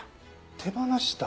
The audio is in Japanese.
手放した？